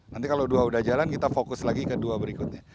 nanti kalau dua udah jalan kita fokus lagi ke dua berikutnya